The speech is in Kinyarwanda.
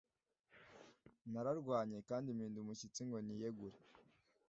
nararwanye kandi mpinda umushyitsi ngo niyegure